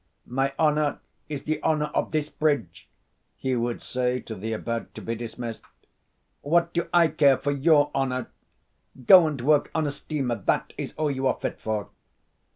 "My honour is the honour of this bridge," he would say to the about to be dismissed. "What do I care for your honour? Go and work on a steamer. That is all you are fit for."